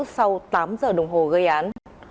sau tám giờ đồng hồ gây án